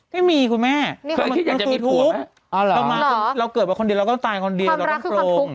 ไม่มีคุณแม่เราต้องตายคนเดียวเราต้องโครงความรักคือความทุกข์เนี่ยเหรอ